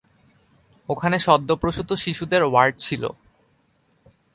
ওখানে সদ্যপ্রসূত শিশুদের ওয়ার্ড ছিল।